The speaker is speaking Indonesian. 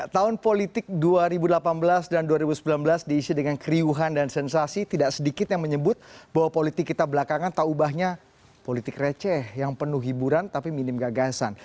tahun politik dua ribu delapan belas dan dua ribu sembilan belas diisi dengan keriuhan dan sensasi tidak sedikit yang menyebut bahwa politik kita belakangan tak ubahnya politik receh yang penuh hiburan tapi minim gagasan